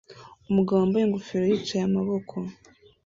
Umugabo wambaye ingofero yicaye amaboko